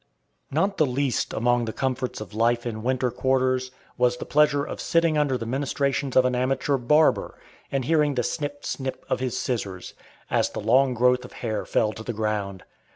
Not the least among the comforts of life in winter quarters, was the pleasure of sitting under the ministrations of an amateur barber, and hearing the snip, snip, of his scissors, as the long growth of hair fell to the ground.